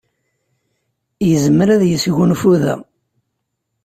Yezmer ad yesgunfu da.